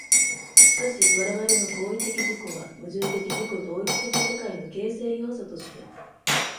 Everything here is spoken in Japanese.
しかし我々の行為的自己は、矛盾的自己同一的世界の形成要素として、